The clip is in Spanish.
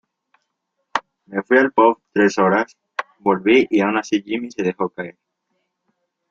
Me fui al pub tres horas, volví y aun así Jimi se dejó caer.